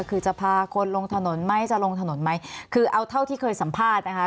คือจะพาคนลงถนนไหมจะลงถนนไหมคือเอาเท่าที่เคยสัมภาษณ์นะคะ